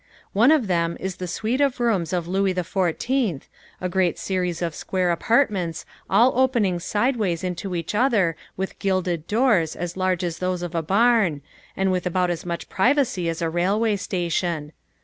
One of them is the suite of rooms of Louis XIV, a great series of square apartments all opening sideways into each other with gilded doors as large as those of a barn, and with about as much privacy as a railway station.